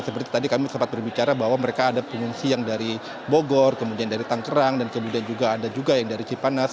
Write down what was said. seperti tadi kami sempat berbicara bahwa mereka ada pengungsi yang dari bogor kemudian dari tangkerang dan kemudian juga ada juga yang dari cipanas